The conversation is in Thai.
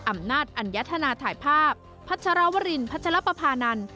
อำนาจอัญญธนาถ่ายภาพพัชรวรินพัชรปภานันทร์